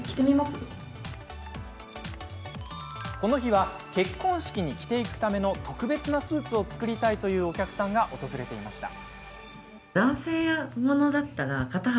この日は結婚式に着ていくための特別なスーツを作りたいというお客さんが訪れていました。